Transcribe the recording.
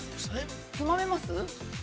つまめます？